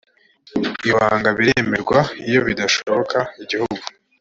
ibanga biremerwa iyo bidashoboka igihugu